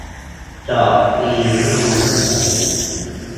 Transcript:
จอดฟรีไม่มีเงื่อนไข